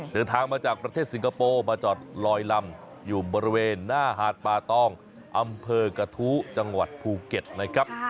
เดินทางมาจากประเทศสิงคโปร์มาจอดลอยลำอยู่บริเวณหน้าหาดป่าตองอำเภอกระทู้จังหวัดภูเก็ตนะครับ